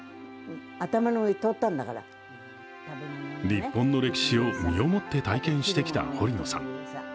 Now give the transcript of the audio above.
日本の歴史を身をもって体験してきた堀野さん。